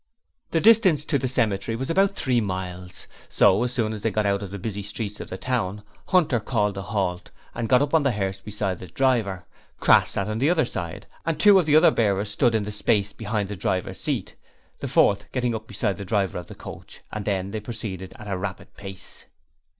The distance to the cemetery was about three miles, so as soon as they got out of the busy streets of the town, Hunter called a halt, and got up on the hearse beside the driver, Crass sat on the other side, and two of the other bearers stood in the space behind the driver's seat, the fourth getting up beside the driver of the coach; and then they proceeded at a rapid pace.